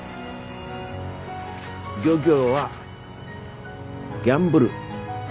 漁業はギャンブル。